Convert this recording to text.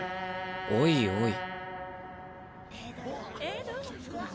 おいおい。